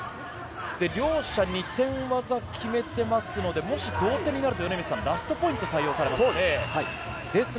両者２点技を決めてますのでもし同点になるとラストポイントが採用されますね。